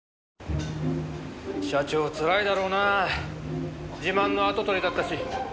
社長つらいだろうなあ自慢の跡取りだったし。